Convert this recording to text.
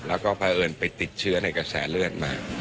แล้วก็เพราะเอิญไปติดเชื้อในกระแสเลือดมา